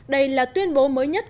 đây là tuyên bố mới nhất